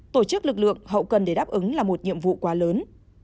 tổ chức lực lượng hậu cần để đáp ứng là một nhiệm vụ quá lớn